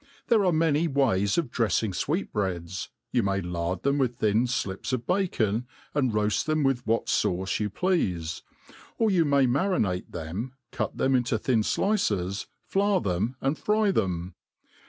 There are many ways of dreffi(\g fweetbreads : you may lard them with thin flips of bacon, and roaft them with what fauce you pleafe ^ or you may marinate them, cut them into thin fliccs, flour theni and fry them.